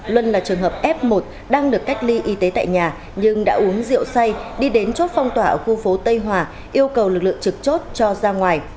luân là trường hợp f một đang được cách ly y tế tại nhà nhưng đã uống rượu say đi đến chốt phong tỏa ở khu phố tây hòa yêu cầu lực lượng trực chốt cho ra ngoài